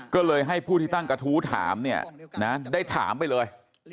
ก็เลยให้ผู้ที่ตั้งกระทู้ถามเนี่ยนะได้ถามไปเลย